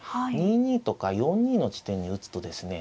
２二とか４二の地点に打つとですね